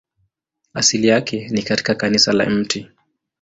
Asili yake ni katika kanisa la Mt.